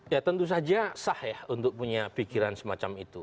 ya tentu saja sah ya untuk punya pikiran semacam itu